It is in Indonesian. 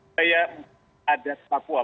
di adat papua